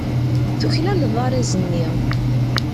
Tuklaleḍ arraz-nni.